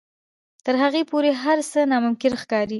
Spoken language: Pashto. تر هغې پورې هر څه ناممکن ښکاري.